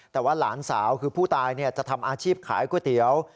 แต่ว่าหลานสาวคือผู้ตายจะทำอาชีพขายก๋วยเตี๋ยว